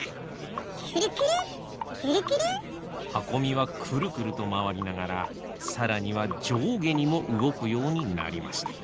くるくるくるくる。はこみはくるくるとまわりながらさらにはじょうげにもうごくようになりました。